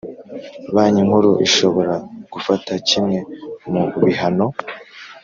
Banki Nkuru ishobora gufata kimwe mu bihano